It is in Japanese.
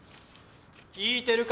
聞いてるか？